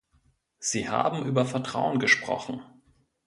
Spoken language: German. Sie haben über Vertrauen gesprochen.